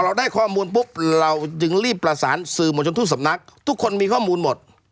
เราได้ข้อมูลปุ๊บเราจึงรีบประสานสื่อมวลชนทุกสำนักทุกคนมีข้อมูลหมด